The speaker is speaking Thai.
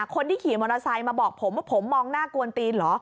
คนที่ขี่มอเตอร์ไซค์มาบอกผมว่าผมมองหน้ากวนตีนเหรอ